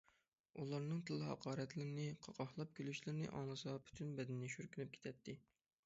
ئۇلارنىڭ تىل-ھاقارەتلىرىنى، قاقاھلاپ كۈلۈشلىرىنى ئاڭلىسا پۈتۈن بەدىنى شۈركۈنۈپ كېتەتتى.